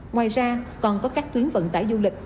ngoài ra còn có các tuyến vận tải du lịch